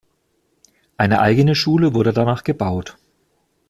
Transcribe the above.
Eine eigene Schule wurde danach gebaut.